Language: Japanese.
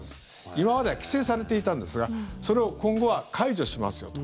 今までは規制されていたんですがそれを今後は解除しますよと。